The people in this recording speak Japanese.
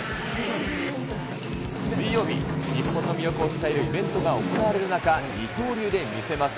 水曜日、日本の魅力を伝えるイベントが行われる中、二刀流で見せます。